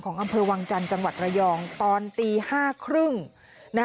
อำเภอวังจันทร์จังหวัดระยองตอนตี๕๓๐